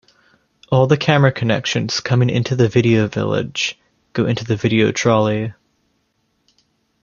All the camera connections coming into the video village go into the video trolley.